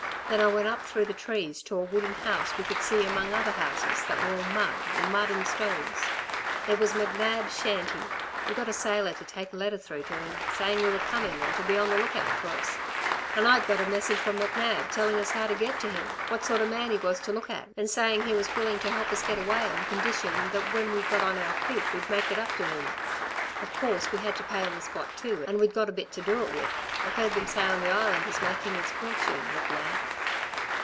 Then I went up through the trees to a wooden house we could see among other houses that were all mud, or mud and stones. It was McNab's shanty. We'd got a sailor to take a letter through to him, saying we were coming and to be on the look out for us. And I'd got a message from McNab telling us how to get to him, what sort of man he was to look at, and saying he was willing to help us get away on condition that when we got on our feet we'd make it up to him of course we had to pay on the spot too. And we'd got a bit to do it with. I've heard them say on the Island he's making his fortune, McNab....